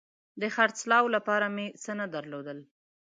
د خرڅلاو دپاره مې څه نه درلودل